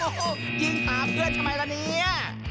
โอ้โหยิงหาเพื่อนทำไมล่ะเนี่ย